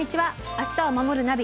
「明日をまもるナビ」